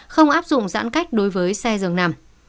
không áp dụng giãn cách đối với xe dường nằm